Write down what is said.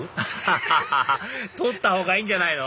ハハハハ撮ったほうがいいんじゃないの？